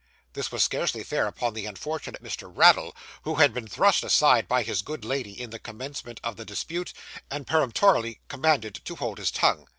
This was scarcely fair upon the unfortunate Mr. Raddle, who had been thrust aside by his good lady in the commencement of the dispute, and peremptorily commanded to hold his tongue.